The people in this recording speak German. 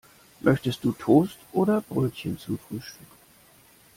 Möchtest du Toast oder Brötchen zum Frühstück?